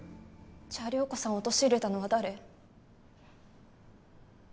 じゃあ涼子さんを陥れたのは誰？